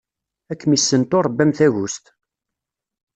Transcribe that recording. Ad kem-issentu Ṛebbi am tagust!